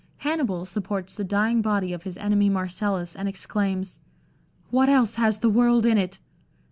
Hannibal supports the dying body of his enemy Marcellus, and exclaims —" What else has the world in it